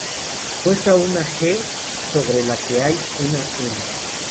Muestra una "G", sobre la que hay una "M".